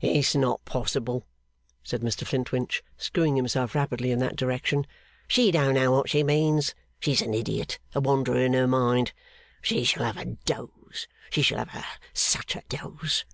'It's not possible,' said Mr Flintwinch, screwing himself rapidly in that direction. 'She don't know what she means. She's an idiot, a wanderer in her mind. She shall have a dose, she shall have such a dose!